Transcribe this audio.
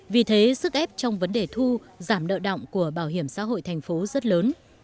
vì thế sức ép trong vấn đề thu giảm nợ động của bảo hiểm xã hội thành phố rất lớn